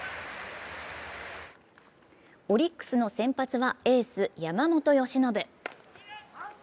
オリックスの先発はエース・山本由伸。